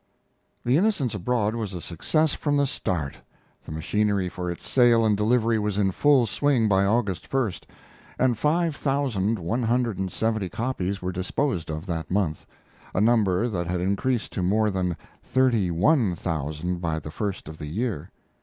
'The Innocents Abroad' was a success from the start. The machinery for its sale and delivery was in full swing by August 1, and five thousand one hundred and seventy copies were disposed of that month a number that had increased to more than thirty one thousand by the first of the year.